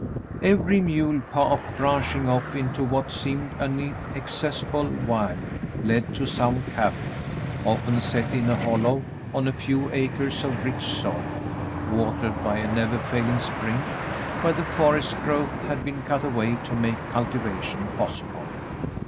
Every mule path branching off into what seemed an inaccessible wild led to some cabin, often set in a hollow on a few acres of rich soil, watered by a never failing spring, where the forest growth had been cut away to make culti vation possible.